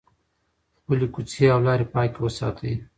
خپلې کوڅې او لارې پاکې وساتئ.